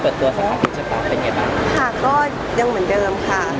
เปิดตัวสถานที่เฉพาะเป็นไงบ้างค่ะก็ยังเหมือนเดิมค่ะ